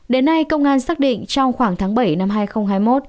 đến nay công an xác định trong khoảng tháng bảy năm hai nghìn hai mươi một